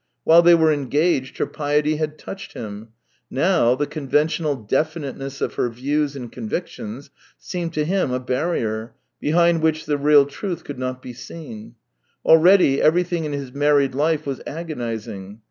... While they were engaged her piety had touched him; now the conventional definiteness of her views and convictions seemed to him a barrier, behind which the real truth could not be seen. Already every thing in his married life was agonizing.